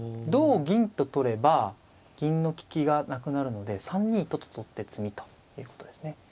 同銀と取れば銀の利きがなくなるので３二とと取って詰みということですね。